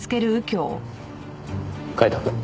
カイトくん。